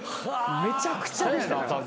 めちゃくちゃでした。